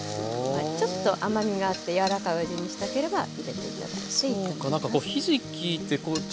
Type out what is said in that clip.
ちょっと甘みがあって柔らかいお味にしたければ入れて頂いていいと思います。